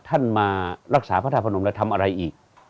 ท่านมารักษาพระธาตุพนมแล้วทำอะไรอีก